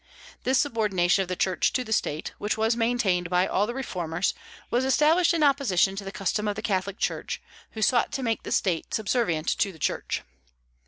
This subordination of the Church to the State, which was maintained by all the reformers, was established in opposition to the custom of the Catholic Church, which sought to make the State subservient to the Church.